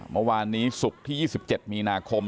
เมื่อวานนี้ศุกร์ที่๒๗มีนาคม